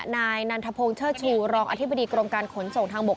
นายนันทพงศ์เชิดชูรองอธิบดีกรมการขนส่งทางบก